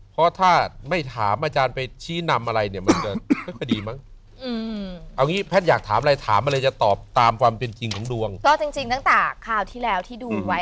เพราะถ้าไม่ถามอาจารย์ไปชี้นำอะไรเนี้ย